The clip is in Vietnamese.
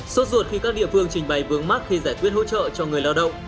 suốt ruột khi các địa phương trình bày vướng mắt khi giải quyết hỗ trợ cho người lao động